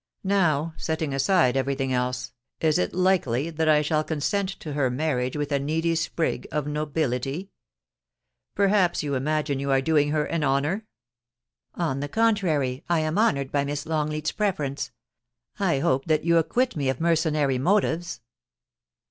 Now, setting aside everything else, is it likely that I shall consent to her marriage with a needy sprig of nobility ? Perhaps you imagine you are doing her an honour ?' 'On the contrary, I am honoured by Miss Longleat's ;\ BARRINGTON A REJECTED SUITOR. 251 preference. I hope that you acquit me of mercenary motives